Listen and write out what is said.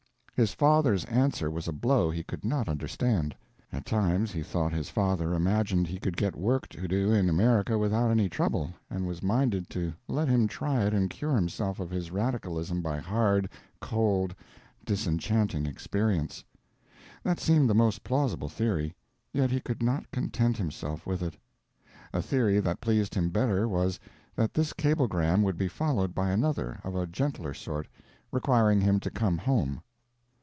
His father's answer was a blow he could not understand. At times he thought his father imagined he could get work to do in America without any trouble, and was minded to let him try it and cure himself of his radicalism by hard, cold, disenchanting experience. That seemed the most plausible theory, yet he could not content himself with it. A theory that pleased him better was, that this cablegram would be followed by another, of a gentler sort, requiring him to come home.